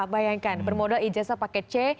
bayangkan bermodal ijazah paket c